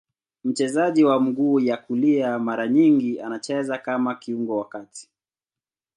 Mchezaji wa mguu ya kulia, mara nyingi anacheza kama kiungo wa kati.